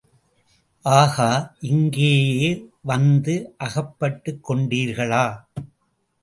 ஆகா, இங்கேயே வந்து அகப்பட்டுக்கொண்டீர்களா?